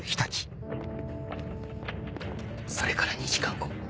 それから２時間後。